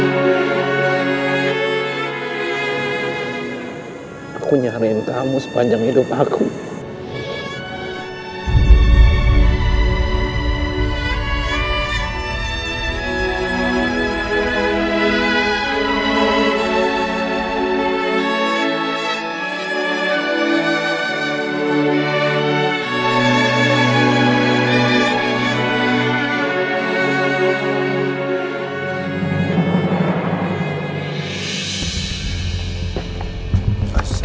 kamu tolong kawal sampai rumah ya